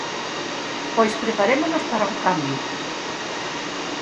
Pois preparémonos para un cambio.